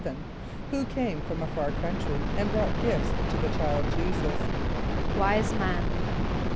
= Who came from a far country and brought gifts to the child J[=e]´[s+]us? =Wise men.